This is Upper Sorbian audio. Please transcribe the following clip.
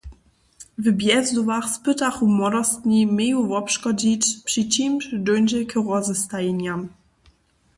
W Bjezdowach spytachu młodostni meju wobškodźić, při čimž dóńdźe k rozestajenjam.